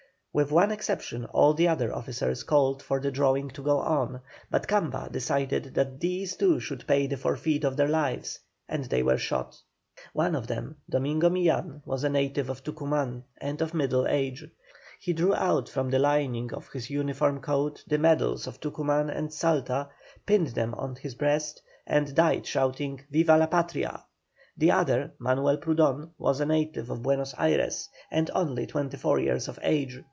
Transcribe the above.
With one exception all the other officers called for the drawing to go on, but Camba decided that these two should pay the forfeit of their lives, and they were shot. One of them, Domingo Millan, was a native of Tucuman, and of middle age. He drew out from the lining of his uniform coat the medals of Tucuman and Salta, pinned them on his breast, and died shouting, "Viva la Patria!" The other, Manuel Prudon, was a native of Buenos Ayres, and only twenty four years of age.